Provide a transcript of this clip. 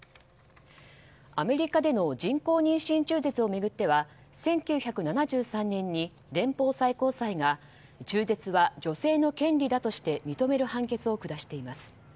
アメリカでの人工妊娠中絶を巡っては１９７３年に連邦最高裁が中絶は女性の権利だとして認める判決を下しています。